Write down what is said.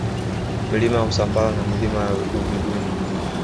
Milima ya Usambara na Milima ya Uvidunda